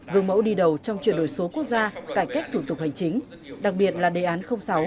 vương mẫu đi đầu trong chuyển đổi số quốc gia cải cách thủ tục hành chính đặc biệt là đề án sáu